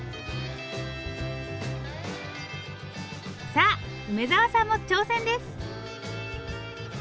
さあ梅沢さんも挑戦です。